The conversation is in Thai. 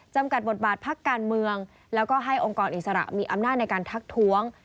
กับบทบาทพักการเมืองแล้วก็ให้องค์กรอิสระมีอำนาจในการทักท้วง